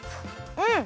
うん。